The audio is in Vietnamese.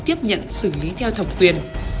tiếp nhận xử lý theo thẩm quyền